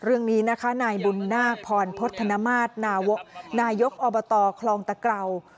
เรื่องนี้นะคะนายบุญนาคพรพฤธนมาตรนายกอบตคลองตะเกรา